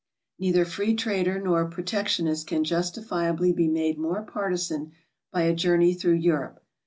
Neither free trader nor protectionist can justifiably be made more partisan by a journey through Europe.